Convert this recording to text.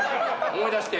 思い出して？